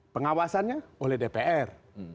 pengawasannya oleh dpr